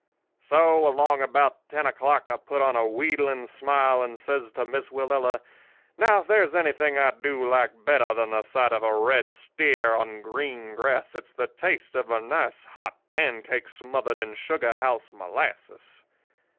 "So, along about ten o'clock, I put on a wheedling smile and says to Miss Willella: 'Now, if there's anything I do like better than the sight of a red steer on green grass it's the taste of a nice hot pancake smothered in sugar house molasses.